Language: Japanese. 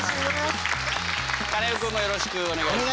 カネオくんもよろしくお願いします。